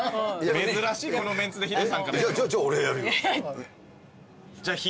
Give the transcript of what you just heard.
珍しいこのメンツでヒデさんからやるの。